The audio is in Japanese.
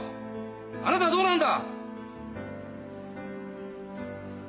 あなたはどうなんだ！？